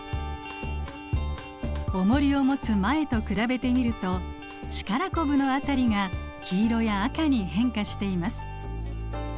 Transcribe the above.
おもりを持つ前と比べてみると力こぶの辺りが黄色や赤に変化しています。